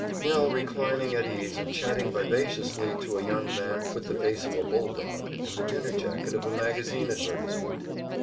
Nell reclining at ease and chatting vivaciously to a young man with the face of a bulldog and the dinner jacket of a magazine advertisement!